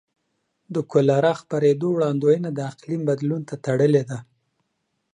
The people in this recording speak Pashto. د کولرا خپرېدو وړاندوینه د اقلیم بدلون ته تړلې ده.